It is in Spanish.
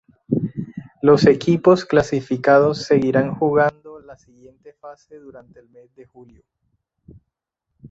Los equipos clasificados seguirán jugando la siguiente fase durante el mes de julio.